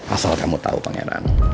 asal kamu tau pangeran